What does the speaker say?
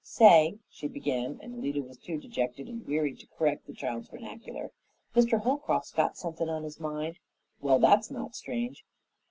"Say," she began, and Alida was too dejected and weary to correct the child's vernacular, "Mr. Holcroft's got somethin' on his mind." "Well, that's not strange."